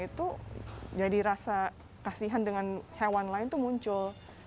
itu jadi rasa kasihan dengan hewan lain itu muncul